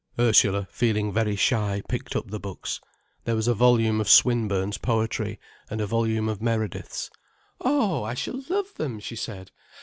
Ursula feeling very shy picked up the books. There was a volume of Swinburne's poetry, and a volume of Meredith's. "Oh, I shall love them," she said.